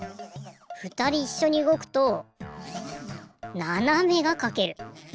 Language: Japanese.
ふたりいっしょにうごくとななめがかける。